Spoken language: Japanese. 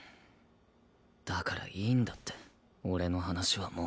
だからいいんだって俺の話はもう。